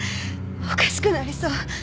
おかしくなりそう。